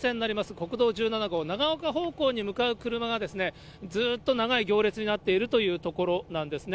国道１７号、長岡方向に向かう車がですね、ずっと長い行列になっているという所なんですね。